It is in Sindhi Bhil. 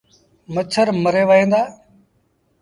مڇر مري وهيݩ دآ۔